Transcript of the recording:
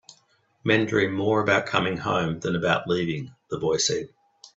"Men dream more about coming home than about leaving," the boy said.